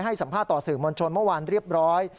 ให้สัมภาษณ์ต่อสื่อมวลชนเมื่อวานเรียบร้อย